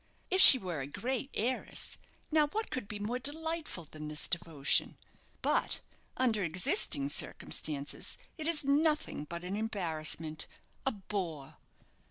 If she were a great heiress, now, what could be more delightful than this devotion? But, under existing circumstances, it is nothing but an embarrassment a bore.